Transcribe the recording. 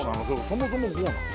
そもそもこうなの？